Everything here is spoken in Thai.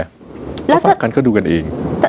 แล้วฝากคันเขาดูกันเอง